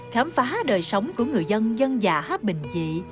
khám phá đời sống của người dân dân dạ hấp bình dị